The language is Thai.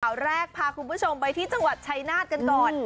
ข่าวแรกพาคุณผู้ชมไปที่จังหวัดชัยนาธกันก่อน